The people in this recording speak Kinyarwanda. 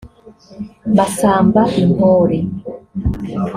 Masamba Intore